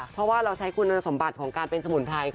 เพราะว่าเราใช้คุณสมบัติของการเป็นสมุนไพร